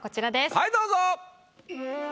はいどうぞ！えっ？